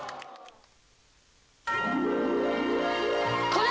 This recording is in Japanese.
これ！